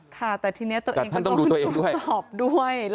ค่ะแต่ทีนี้ตัวเองก็ต้องตรวจสอบด้วย